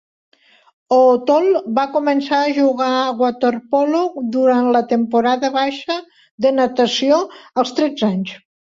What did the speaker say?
O'Toole va començar a jugar a waterpolo durant la temporada baixa de natació als tretze anys.